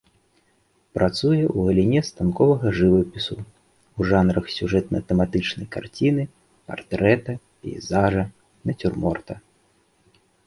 Працуе ў галіне станковага жывапісу, у жанрах сюжэтна-тэматычнай карціны, партрэта, пейзажа, нацюрморта.